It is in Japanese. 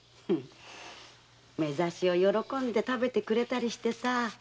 「めざし」を喜んで食べてくれたりしてさ。